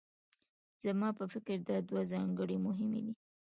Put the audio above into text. زما په فکر دا دوه ځانګړنې مهمې دي.